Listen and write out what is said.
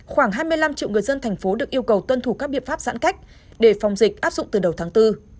khoảng hai mươi năm triệu người dân thành phố được yêu cầu tuân thủ các biện pháp giãn cách để phòng dịch áp dụng từ đầu tháng bốn